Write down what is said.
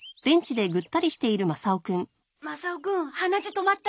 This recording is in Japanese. マサオくん鼻血止まった？